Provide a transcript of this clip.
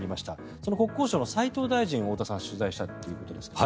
その国交省の斉藤大臣を太田さんは取材したということですが。